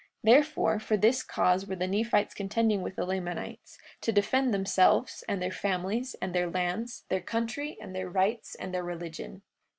Therefore for this cause were the Nephites contending with the Lamanites, to defend themselves, and their families, and their lands, their country, and their rights, and their religion.